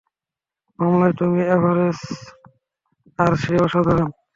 মানলাম তুমি এভারেজ আর সে অসাধারণ!